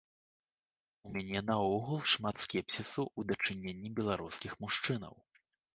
У мяне наогул шмат скепсісу ў дачыненні беларускіх мужчынаў.